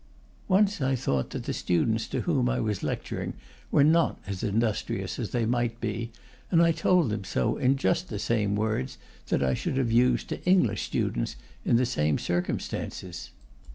Once I thought that the students to whom I was lecturing were not as industrious as they might be, and I told them so in just the same words that I should have used to English students in the same circumstances.